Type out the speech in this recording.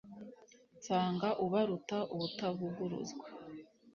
nsanga ubaruta ubutavuguruzwa !